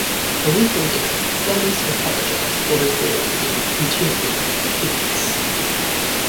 A week later, Clements apologized for his role in continuing the payments.